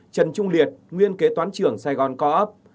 trần trung liệt nguyên kế toán trưởng sài gòn co op